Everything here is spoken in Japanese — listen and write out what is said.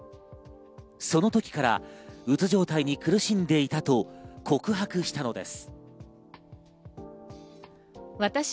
その時からうつ状態に苦しんでいたと告白したのです。